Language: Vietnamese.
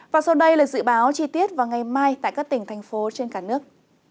và sau đây là dự báo chi tiết vào ngày mai tại các tỉnh thành phố trên cả nước